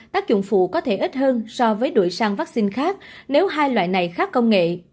tác dụng phụ có thể ít hơn so với đội sang vaccine khác nếu hai loại này khác công nghệ